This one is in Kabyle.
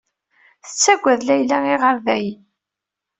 Tettagad Layla iɣerdayen.